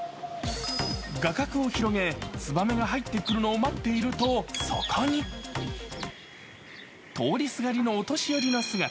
画角を広げ、ツバメが入ってくるのを入ってくると、そこに通りすがりのお年寄りの姿。